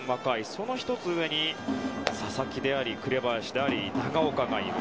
その１つ上に佐々木であり紅林であり、長岡がいる。